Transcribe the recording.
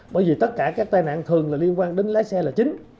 bởi vì tất cả các tai nạn thường là liên quan đến lái xe là chính